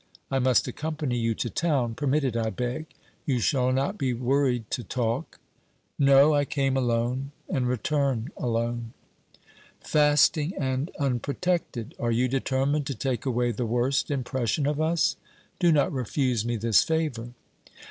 I must accompany you to town. Permit it, I beg. You shall not be worried to talk.' 'No; I came alone and return alone.' 'Fasting and unprotected! Are you determined to take away the worst impression of us? Do not refuse me this favour.'